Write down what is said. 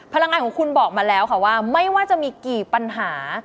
พลังงานของคุณบอกมาแล้วค่ะว่าไม่ว่าจะมีกี่ปัญหา